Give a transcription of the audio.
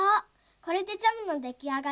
これでジャムのできあがりね。